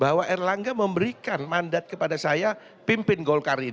bahwa erlangga memberikan mandat kepada saya pimpin golkar ini